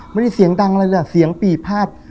ไม่ได้เสียงดังอะไรเลยเสียงปีบพาด